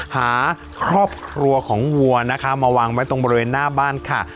หาครอบครัวของวัวนะคะมาวางไว้ตรงบริเวณหน้าบ้านค่ะ